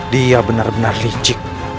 dia benar benar licik